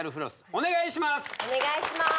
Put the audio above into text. お願いします